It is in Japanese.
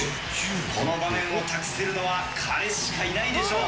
この場面を託せるのは彼しかいないでしょう。